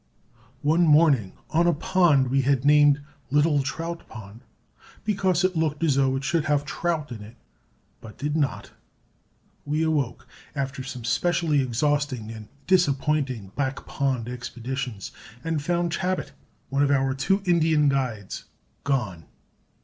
One morning, on a pond we had named "Little Trout Pond," because it looked as though it should have trout in it, but did not; we awoke, after some specially exhausting and disappointing "back pond" expeditions, and found Chabot, one of our two Indian guides, gone.